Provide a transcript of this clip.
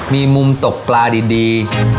มีมุมตกปลาดี